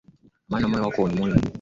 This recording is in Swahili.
Amani ya moyo wako ni muhimu.